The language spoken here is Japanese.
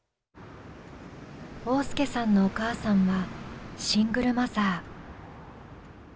旺亮さんのお母さんはシングルマザー。